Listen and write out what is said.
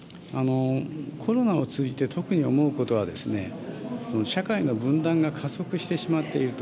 コロナを通じて特に思うことは、その社会の分断が加速してしまっていると。